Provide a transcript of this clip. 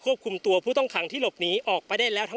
พร้อมด้วยผลตำรวจเอกนรัฐสวิตนันอธิบดีกรมราชทัน